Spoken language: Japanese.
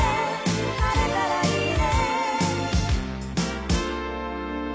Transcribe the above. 「晴れたらいいね」